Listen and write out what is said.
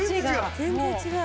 全然違う！